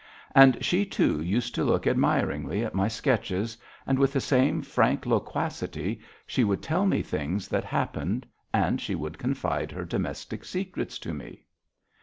And she too used to look admiringly at my sketches, and with the same frank loquacity she would tell me things that happened, and she would confide her domestic secrets to me.